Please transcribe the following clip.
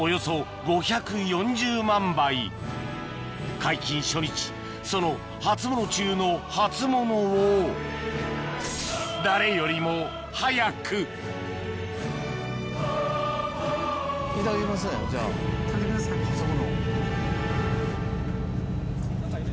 解禁初日その初物中の初物を誰よりも早くいただきますねじゃあ初物。